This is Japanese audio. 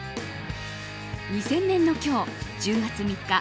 ２０００年の今日、１０月３日